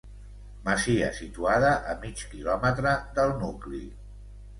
Masia situada a mig quilòmetre del nucli.